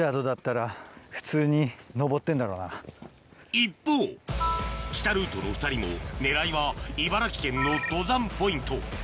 一方北ルートの２人も狙いは茨城県の登山ポイント